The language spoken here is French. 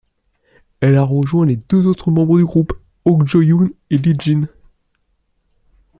Elle a rejoint les deux autres membres du groupe, Ock Joo-hyun et Lee Jin.